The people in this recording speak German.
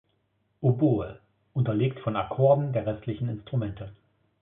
Oboe, unterlegt von Akkorden der restlichen Instrumente.